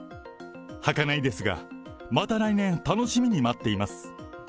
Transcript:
はかないですが、また来年、楽しみに待っています。